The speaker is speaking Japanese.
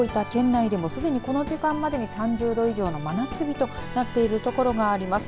内でもすでにこの時間までに３０度以上の真夏日となっている所があります。